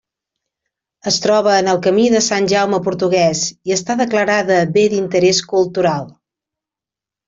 Es troba en el Camí de Sant Jaume portuguès i està declarada bé d'interès cultural.